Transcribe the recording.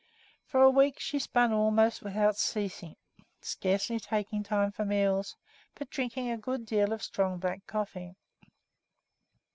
For a week she spun almost without ceasing, scarcely taking time for meals, but drinking a good deal of strong black coffee.